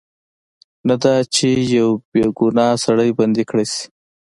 نه دا چې یو بې ګناه سړی بندي کړای شي.